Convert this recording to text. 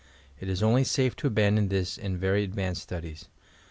It ia only safe to abandon this in very advanced studies.